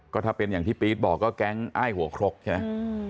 ก็ถ้าเป็นอย่างที่ปี๊ดบอกก็แก๊งอ้ายหัวครกใช่ไหม